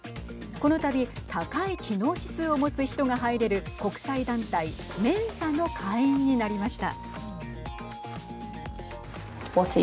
このたび高い知能指数を持つ人が入れる国際団体メンサの会員になりました。